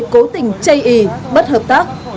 cố tình chây ý bất hợp tác